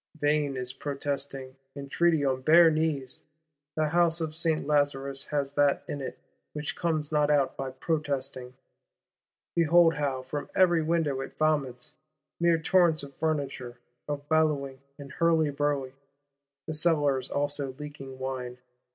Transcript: Vain is protesting, entreaty on bare knees: the House of Saint Lazarus has that in it which comes not out by protesting. Behold, how, from every window, it vomits: mere torrents of furniture, of bellowing and hurlyburly;—the cellars also leaking wine.